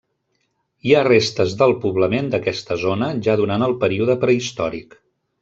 Hi ha restes del poblament d'aquesta zona ja durant el període prehistòric.